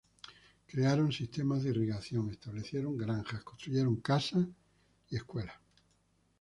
Crearon sistemas de irrigación, establecieron granjas, construyeron casas, iglesias y escuelas.